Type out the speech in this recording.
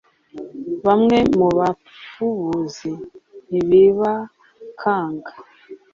bamwe mu bapfubuzi ntibibakanga